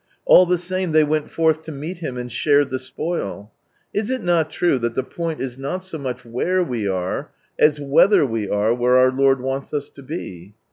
All the same, they went forth to meet Him, and shared the spoil. Is it not true that the point is not so much where we are, as wheihtr ^c are where our Lonl wants us to be?